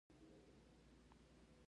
هلکان غلي دپ .